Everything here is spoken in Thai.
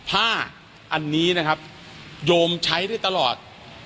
ผ้าอันนี้นะครับโยมใช้ได้ตลอด